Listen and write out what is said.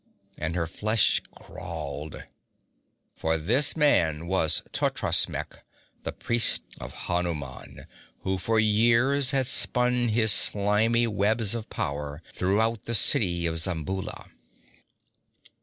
And her flesh crawled, for this man was Totrasmek, the priest of Hanuman, who for years had spun his slimy webs of power throughout the city of Zamboula.